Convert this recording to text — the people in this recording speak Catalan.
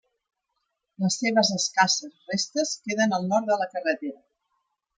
Les seves escasses restes queden al nord de la carretera.